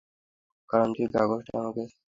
কারণ তুই কাজটা আমাকে ছাড়া করতে পারবি না।